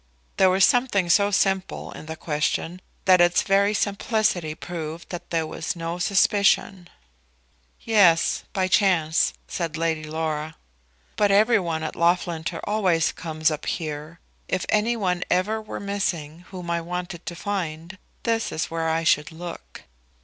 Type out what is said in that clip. There was something so simple in the question that its very simplicity proved that there was no suspicion. "Yes; by chance," said Lady Laura. "But every one at Loughlinter always comes up here. If any one ever were missing whom I wanted to find, this is where I should look."